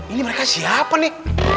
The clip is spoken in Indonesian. ini mereka siapa nih